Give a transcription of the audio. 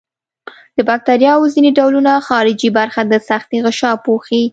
د باکتریاوو ځینې ډولونه خارجي برخه د سختې غشا پوښي.